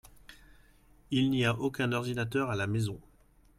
Il n'y a aucun ordinateur à la maison.